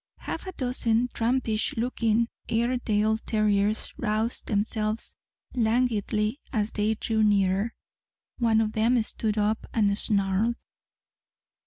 Half a dozen trampish looking Airedale terriers roused themselves languidly as they drew nearer. One of them stood up and snarled.